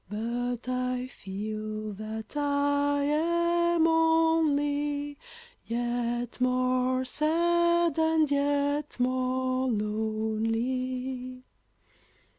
But I feel that I am only Yet more sad, and yet more lonely!